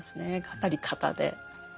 語り方で。